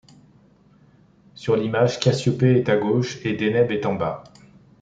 Sur l'image, Cassiopée est à gauche, et Déneb est en bas.